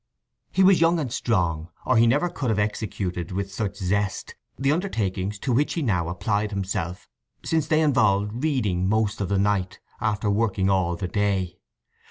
He was young and strong, or he never could have executed with such zest the undertakings to which he now applied himself, since they involved reading most of the night after working all the day.